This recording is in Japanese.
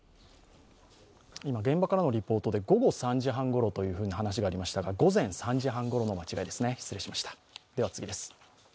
今、現場からのリポートで午後３時半ごろという話がありましたが午前３時半ごろの間違いです、失礼しました。